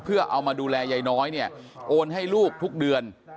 เพื่อเอามาดูแลยายน้อยเนี่ยโอนให้ลูกทุกเดือน